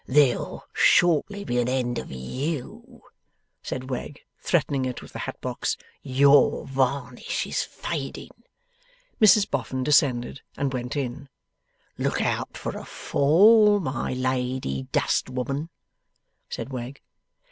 'There'll shortly be an end of YOU,' said Wegg, threatening it with the hat box. 'YOUR varnish is fading.' Mrs Boffin descended and went in. 'Look out for a fall, my Lady Dustwoman,' said Wegg.